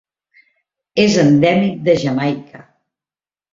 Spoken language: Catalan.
És endèmic de Jamaica.